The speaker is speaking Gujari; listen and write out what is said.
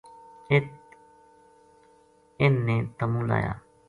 اِت انھ نے تمُو لایا